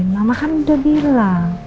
mama kan udah bilang